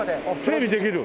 整備できる？